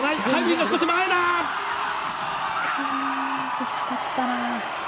惜しかったな。